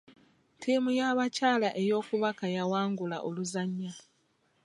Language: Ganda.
Ttiimu y'abakyala ey'okubaka yawangula oluzannya.